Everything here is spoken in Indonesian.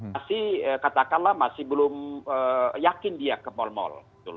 masih katakanlah masih belum yakin dia ke malam ini